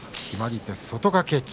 決まり手、外掛け。